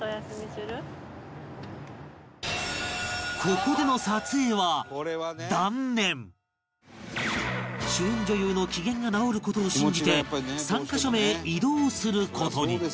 ここでの主演女優の機嫌が直る事を信じて３カ所目へ移動する事に